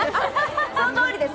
そのとおりです。